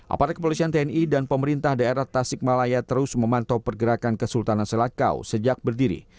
aparat kepolisian tni dan pemerintah daerah tasik malaya terus memantau pergerakan kesultanan selakau sejak berdiri